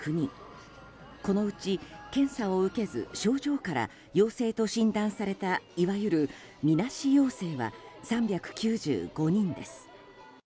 このうち検査を受けず症状から陽性と診断されたいわゆる、みなし陽性は３９５人です。